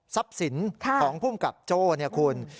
ทรัพย์สินของผู้กับโจ้เนี่ยคุณ